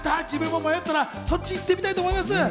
自分も迷ったらそっちに行ってみたいと思います。